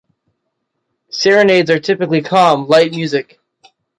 Serenades are typically calm, light music.